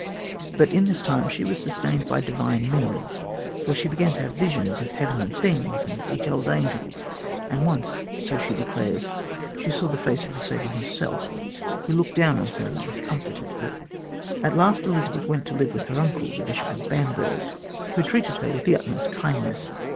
But in this time she was sustained by divine means, for she began to have visions of Heavenly things and beheld angels, and once, so she declares, she saw the face of the Savior himself, who looked down on her and comforted her. At last Elizabeth went to live with her uncle, the Bishop of Bamberg, who treated her with the utmost kindness.